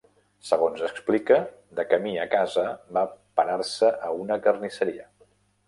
Segons s'explica, de camí a casa va parar-se a una carnisseria.